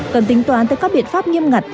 cần tính toán tới các biện pháp nghiêm ngặt